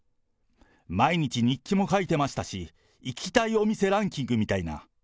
毎日日記も書いてましたし、行きたいお店ランキングみたいな。